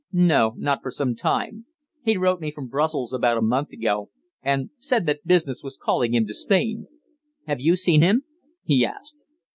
"No, not for some time. He wrote me from Brussels about a month ago, and said that business was calling him to Spain. Have you seen him?" he asked.